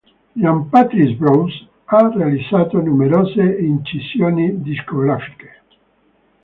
Jean-Patrice Brosse ha realizzato numerose incisioni discografiche.